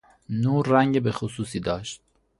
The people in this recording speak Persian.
نور رنگ بخصوصی داشت.